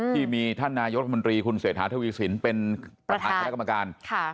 ที่มีท่านนายุทธคุณเศรษฐาธิวิสินเป็นประธานคณะกรรมการ